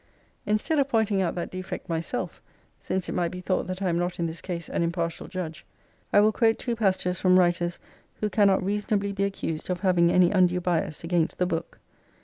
Instead of pointing out that defect my self since it might be thought that I am not in this case an impartial judge— I will quote two passages from writers who cannot reasonably be accused of having any undue bias against the book.